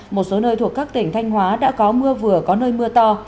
một số nơi thuộc các tỉnh thanh hóa đã có mưa vừa có nơi mưa to